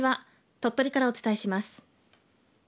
鳥取からお伝えします。